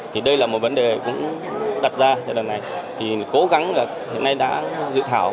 thì đây là một vấn đề cũng đặt ra tại lần này thì cố gắng là hiện nay đã dự thảo